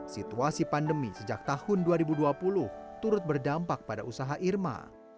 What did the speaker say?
situasi pandemi sejak tahun dua ribu dua puluh turut berdampak pada usaha irma